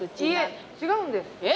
いえ違うんです。